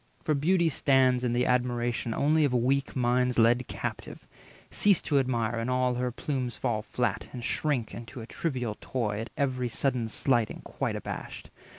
For Beauty stands 220 In the admiration only of weak minds Led captive; cease to admire, and all her plumes Fall flat, and shrink into a trivial toy, At every sudden slighting quite abashed.